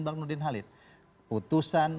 bang nudin halid putusan